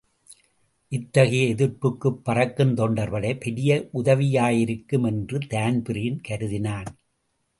இத்தகைய எதிர்ப்புக்குப் பறக்குந் தொண்டர் படை பெரிய உதவியாயிருக்கும் என்று தான்பிரீன் கருதினான்.